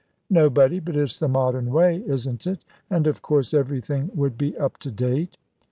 "Nobody. But it's the modern way, isn't it? And, of course, everything would be up to date."